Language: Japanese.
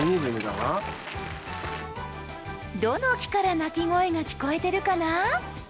どの木から鳴き声が聞こえてるかな？